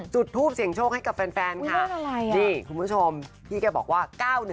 จุดทูปเสียงโชคให้กับแฟนค่ะนี่คุณผู้ชมพี่แกบอกว่า๙๑